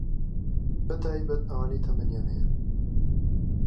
بەتایبەت ئەوانەی تەمەنیان هەیە